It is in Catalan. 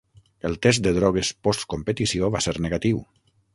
El test de drogues post-competició va ser negatiu.